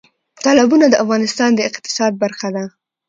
تالابونه د افغانستان د اقتصاد برخه ده.